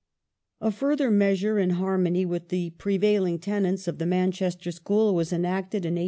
A further measure in harmony with the prevailing tenets of the The Aus Manchester School was enacted in 1850.